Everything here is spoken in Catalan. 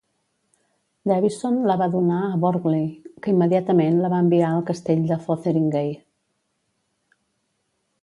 Davison la va donar a Burghley, que immediatament la va enviar al Castell de Fotheringhay.